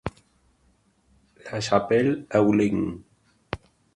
La Chapelle-Heulin